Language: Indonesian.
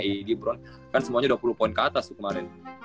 i gibron kan semuanya dua puluh poin keatas tuh kemarin